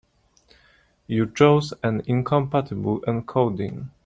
You chose an incompatible encoding.